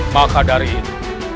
maka dari itu